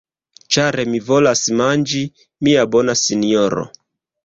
Ĉar mi volas manĝi, mia bona sinjoro.